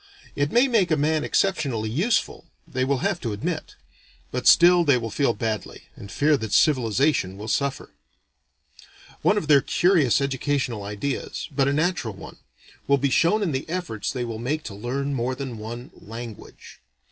It may make a man exceptionally useful, they will have to admit; but still they will feel badly, and fear that civilization will suffer. One of their curious educational ideas but a natural one will be shown in the efforts they will make to learn more than one "language."